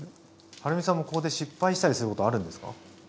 はるみさんもここで失敗したりすることあるんですか？